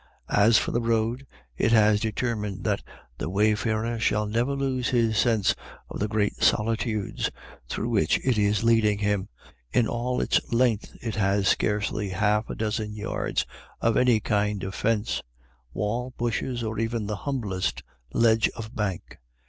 As for the road, it has determined that the way farer shall never lose his sense of the great soli tudes through which it is leading him. In all its length it has scarcely half a dozen yards of any kind of fence — wall, bushes, or even the humblest ledge of bank.